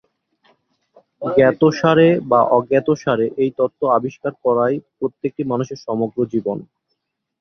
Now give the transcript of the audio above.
জ্ঞাতসারে বা অজ্ঞাতসারে এই তত্ত্ব আবিষ্কার করাই প্রত্যেকটি মানুষের সমগ্র জীবন।